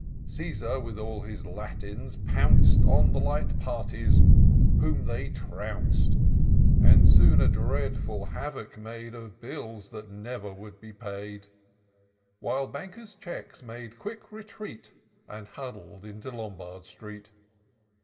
CtBsary with all his Latins, pounc'd On the light parties, whom they trounc'd, And soon a dreadful havoc made Of bills that never would be paid ; While Banker's Checks made quick retreat. And huddled into Lombard Street.